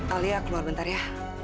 alia keluar sebentar ya